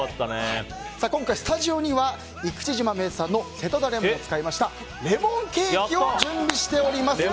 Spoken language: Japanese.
今回、スタジオには生口島名産の瀬戸田レモンを使いましたレモンケーキを準備しております。